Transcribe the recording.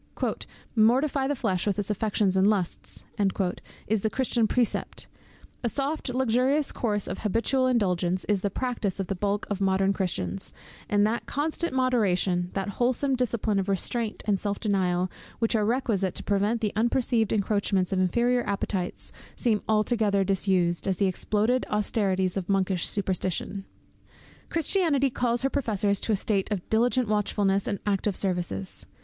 "Mortify the flesh, with its affections and lusts," is the Christian precept; a soft luxurious course of habitual indulgence, is the practice of the bulk of modern Christians: and that constant moderation, that wholesome discipline of restraint and self denial, which are requisite to prevent the unperceived encroachments of the inferior appetites, seem altogether disused, as the exploded austerities of monkish superstition. Christianity calls her professors to a state of diligent watchfulness and active services.